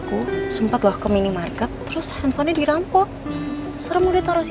kau mau roti rasa apa rasa keju coklat atau apa